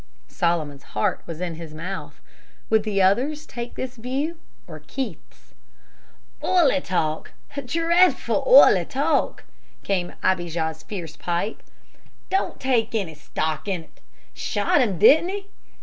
Solomon's heart was in his mouth. Would the others take this view or Keith's? "Oily talk, dretful oily talk!" came Abijah's fierce pipe. "Don't take any stock in 't. Shot him, didn't he?